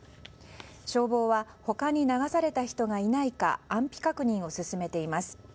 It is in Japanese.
消防は他に流された人がいないか安否確認を進めています。